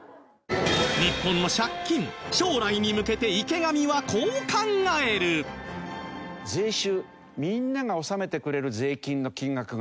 日本の借金将来に向けて池上はこう考える税収。